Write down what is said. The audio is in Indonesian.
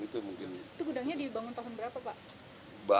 itu gudangnya dibangun tahun berapa pak